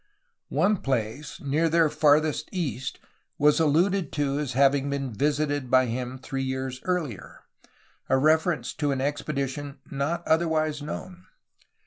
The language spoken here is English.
One place near their farthest east was alluded to as having been visited by him three years earlier, — a reference to an ex pedition not otherwise known.